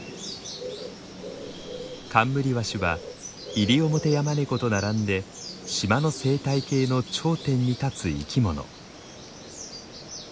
カンムリワシはイリオモテヤマネコと並んで島の生態系の頂点に立つ生き物。